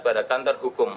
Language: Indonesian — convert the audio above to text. pada kantor hukum